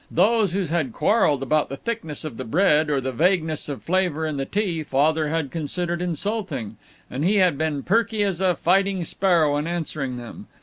Those who had quarreled about the thickness of the bread or the vagueness of flavor in the tea Father had considered insulting, and he had been perky as a fighting sparrow in answering them.